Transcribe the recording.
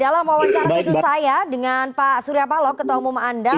dalam wawancara khusus saya dengan pak surya paloh ketua umum anda